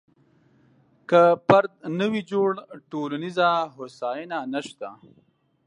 که فرد نه وي جوړ، ټولنیزه هوساینه نشته.